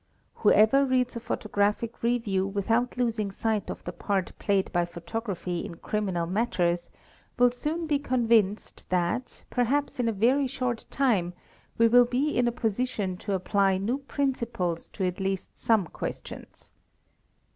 | Whoever reads a photo graphic review without losing sight of the part played by photography in criminal matters, will soon be convinced that, perhaps in a very short time, we will be in a position to apply new principles to at least some — questions.